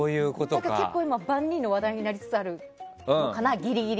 結構今、万人の話題になりつつあるのかな？